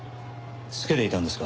つけていたんですか？